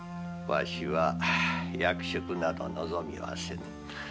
わしは役職など望みはせぬ。